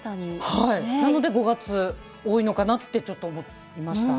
なので５月多いのかなってちょっと思いました。